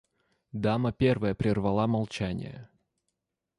Дама первая перервала молчание.